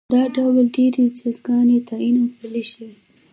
دا ډول ډېرې جزاګانې تعین او پلې شوې.